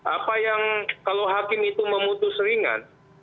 apa yang kalau hakim itu memutus ringan